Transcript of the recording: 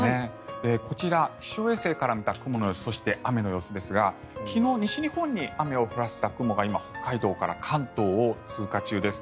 こちら気象衛星から見た雲の様子そして、雨の様子ですが昨日、西日本に雨を降らせた雲が今、北海道から関東を通過中です。